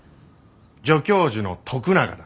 助教授の徳永だ。